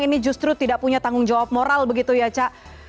ini justru tidak punya tanggung jawab moral begitu ya cak